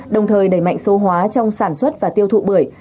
đồng thời đẩy mạnh số hóa trong sản xuất và tiêu thụ bưởi